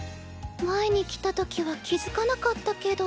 前に来たときは気付かなかったけど。